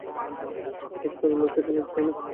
এস্থারের লাশ এখানেই, তাই না?